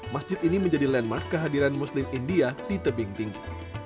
masjid ini menjadi landmark kehadiran muslim india di tebing tinggi